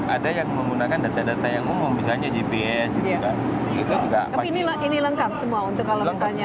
ada yang menggunakan data data yang umum misalnya gps tapi ini lengkap semua untuk kalau misalnya